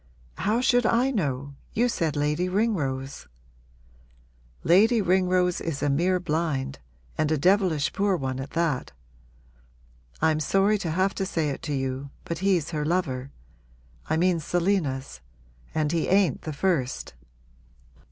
'How should I know? You said Lady Ringrose.' 'Lady Ringrose is a mere blind and a devilish poor one at that. I'm sorry to have to say it to you, but he's her lover. I mean Selina's. And he ain't the first.'